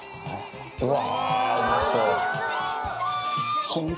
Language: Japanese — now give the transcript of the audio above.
うわ！